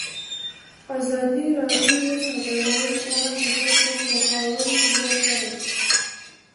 ازادي راډیو د سوداګري په اړه د خلکو پوهاوی زیات کړی.